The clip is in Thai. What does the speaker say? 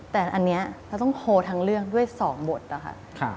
แต่อันนี้เราต้องโพลทั้งเรื่องด้วย๒บทนะคะ